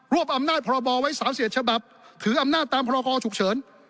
รวบอำนาจพรบไว้สามเสียชบับถืออำนาจตามพกฉุกเฉิน